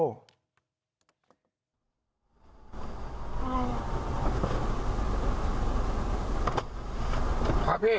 ครับพี่